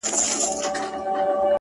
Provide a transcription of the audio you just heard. د شېخانو د ټگانو!! د محل جنکۍ واوره!!